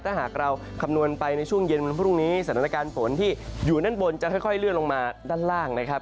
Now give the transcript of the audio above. ถ้าหากเราคำนวณไปในช่วงเย็นวันพรุ่งนี้สถานการณ์ฝนที่อยู่ด้านบนจะค่อยเลื่อนลงมาด้านล่างนะครับ